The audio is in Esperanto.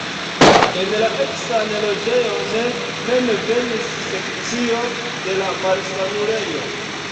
En la eksan loĝejon mem venis sekcio de la malsanulejo.